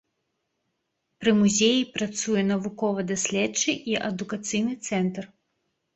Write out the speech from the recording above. Пры музеі працуе навукова-даследчы і адукацыйны цэнтр.